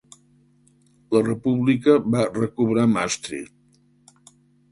La República va recobrar Maastricht.